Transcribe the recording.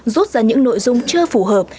rút ra những nội dung chưa phù hợp